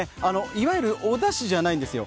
いわゆるお出汁じゃないんですよ。